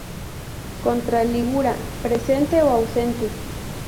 Contra-lígula presente o ausente.